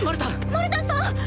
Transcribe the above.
マルタンさん！